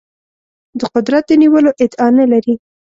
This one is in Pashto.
د قدرت د نیولو ادعا نه لري.